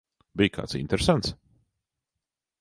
Bija kāds interesants?